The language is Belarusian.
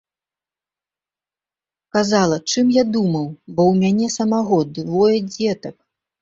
Казала, чым я думаў, бо ў мяне самога двое дзетак.